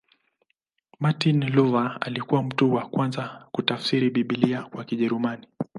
Martin Luther alikuwa mtu wa kwanza kutafsiri Biblia kwa Kijerumani.